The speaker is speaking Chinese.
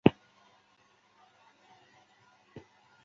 它是福建中学附属学校的一条龙中学。